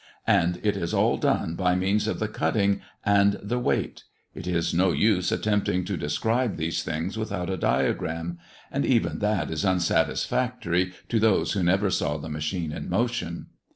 And it is all done by means of the cutting and the weight. It is no use attempting to describe these things without a diagram. And even that is unsatisfactory to those who never saw the machine in motion.